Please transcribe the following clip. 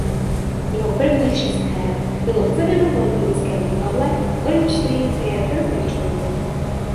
Jeho prvních šest her bylo uvedeno v londýnském divadle Orange Tree Theatre v Richmondu.